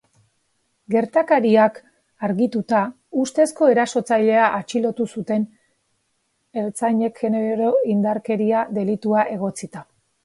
Gertakariak argituta, ustezko erasotzailea atxilotu zuten ertzainek genero indarkeria delitua egotzita.